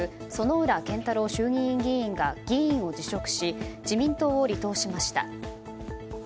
薗浦健太郎衆議院議員が議員を辞職し自民党を離党しました。